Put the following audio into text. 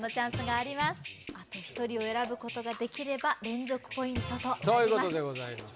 あと１人を選ぶことができれば連続ポイントとなります